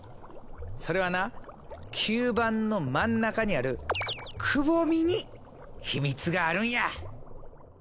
それはな吸盤の真ん中にあるくぼみに秘密があるんや。